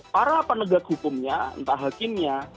para penegak hukumnya entah hakimnya